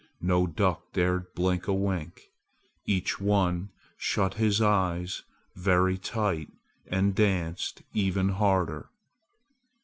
No duck dared blink a wink. Each one shut his eyes very tight and danced even harder.